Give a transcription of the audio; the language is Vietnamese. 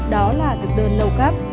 đó là thực đơn lâu cấp